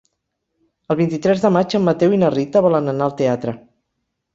El vint-i-tres de maig en Mateu i na Rita volen anar al teatre.